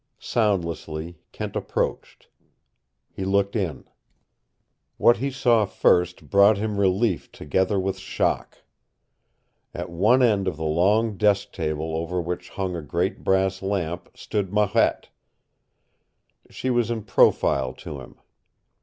Soundlessly Kent approached. He looked in. What he saw first brought him relief together with shock. At one end of the long desk table over which hung a great brass lamp stood Marette. She was in profile to him.